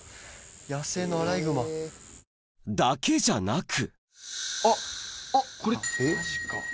野生のアライグマ。だけじゃなくあっあっこれ。